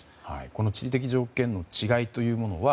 この地理的条件の違いというのは